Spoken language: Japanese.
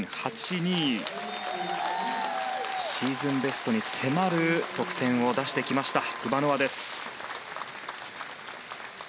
シーズンベストに迫る得点を出してきました。